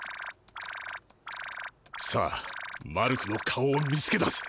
さあマルクの顔を見つけ出せ！